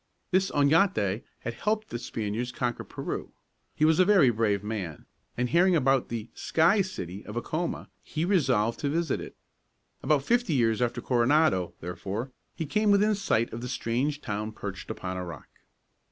This Oñate had helped the Spaniards conquer Peru. He was a very brave man, and hearing about the "Sky City" of Acoma, he resolved to visit it. About fifty years after Coronado, therefore, he came within sight of the strange town perched upon a rock.